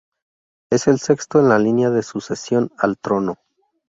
Es el sexto en la línea de sucesión al trono.